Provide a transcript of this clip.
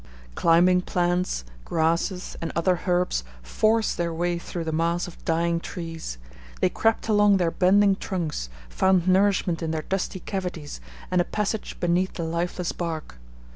Climbing plants, grasses, and other herbs forced their way through the mass of dying trees; they crept along their bending trunks, found nourishment in their dusty cavities, and a passage beneath the lifeless bark.